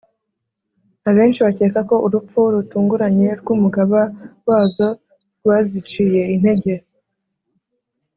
abenshi bakeka ko urupfu rutunguranye rw'umugaba wazo rwaziciye intege